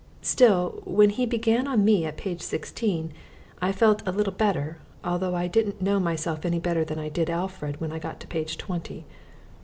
Still when he began on me at page sixteen I felt a little better, though I didn't know myself any better than I did Alfred when I got to page twenty.